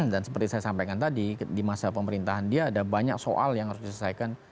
dan seperti saya sampaikan tadi di masa pemerintahan dia ada banyak soal yang harus diselesaikan